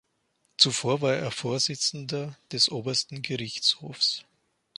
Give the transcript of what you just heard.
Zuvor war er Vorsitzender des Obersten Gerichtshofs.